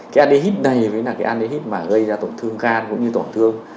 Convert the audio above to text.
cái aldehyde này mới là cái aldehyde mà gây ra tổn thương gan cũng như tổn thương